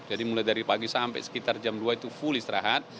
jadi mulai dari pagi sampai sekitar jam dua itu full istirahat